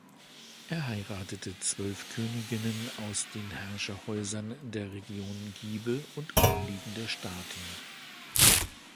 Er heiratete zwölf Königinnen aus den Herrscherhäusern der Region Gibe und umliegender Staaten.